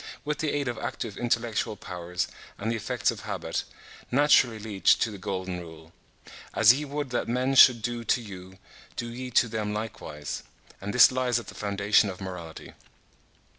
—with the aid of active intellectual powers and the effects of habit, naturally lead to the golden rule, "As ye would that men should do to you, do ye to them likewise;" and this lies at the foundation of morality.